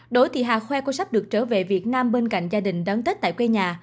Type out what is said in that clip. đỗ thị hà khoe của sắp được trở về việt nam bên cạnh gia đình đón tết tại quê nhà